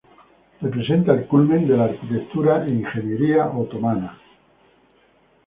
Representa el culmen de la arquitectura e ingeniería otomana.